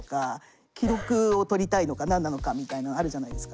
記録を取りたいのか何なのかみたいのあるじゃないですか。